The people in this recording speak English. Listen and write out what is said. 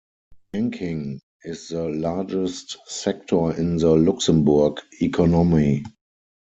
Banking is the largest sector in the Luxembourg economy.